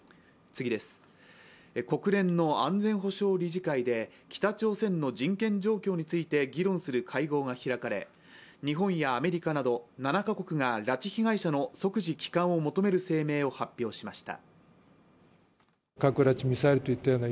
国連の安全保障理事会で北朝鮮の人権状況について、議論する会合が開かれ日本やアメリカなど７カ国が拉致被害者の即時帰還を求める声明を発表しました。